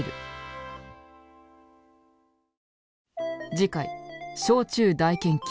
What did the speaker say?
次回「焼酎大研究」。